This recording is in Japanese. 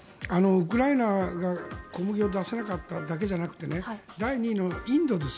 ウクライナが小麦を出せなかっただけじゃなくて第２位のインドです。